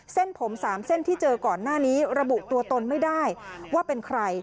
เส้นผม๓เส้นที่เจอก่อนหน้านี้ระบุตัวตนไม่ได้ว่าเป็นใคร